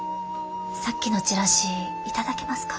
さっきのチラシ頂けますか？